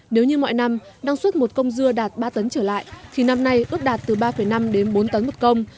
nếu như mọi năm năng suất một công dưa đạt ba tấn trở lại thì năm nay ước đạt từ ba năm đến bốn tấn một công